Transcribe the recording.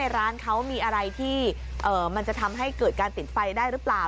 ร้านเขามีอะไรที่มันจะทำให้เกิดการติดไฟได้หรือเปล่า